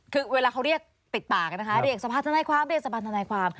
คือเวลาเขาเรียกปิดปากนะคะเรียกสภาธนายความเรียกสะพานทนายความ